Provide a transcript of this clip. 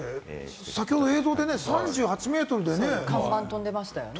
先ほど映像で３８メートルで看板、飛んでましたよね。